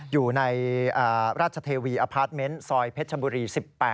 อยู่ในราชเทวีอพาร์ทเมนต์ซอยเพชรชบุรี๑๘